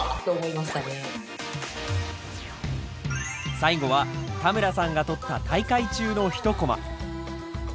最後は田村さんが撮った大会中のひとコマ。